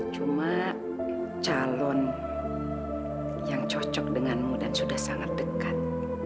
cuma calon yang cocok denganmu dan sudah sangat dekat